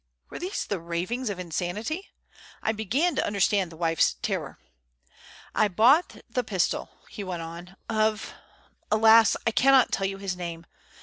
Were these the ravings of insanity? I began to understand the wife's terror. "I bought the pistol," he went on, "of alas! I cannot tell you his name.